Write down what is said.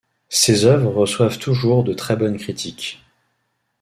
Ses œuvres reçoivent toujours de très bonnes critiques.